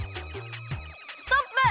ストップ！